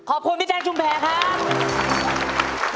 ขอบคุณพี่แจ๊คชุมแพรครับ